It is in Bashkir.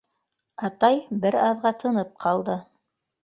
— Атай бер аҙға тынып ҡалды.